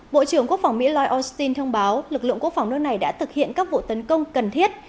bộ trưởng quốc phòng mỹ lloyd austin thông báo lực lượng quốc phòng nước này đã thực hiện các vụ tấn công cần thiết